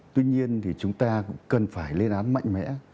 tuy nhiên thì chúng ta cũng cần phải lên án mạnh mẽ